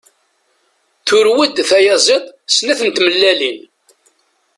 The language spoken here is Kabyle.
Turew-d tayaziḍt snat n tmellalin.